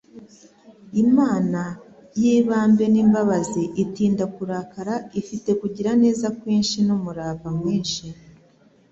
« Imana y'ibambe n'imbabazi itinda kurakara ifite kugira neza kwinshi n'umurava mwinshi ».